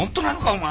お前。